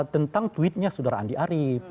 tentang tweetnya saudara andi arief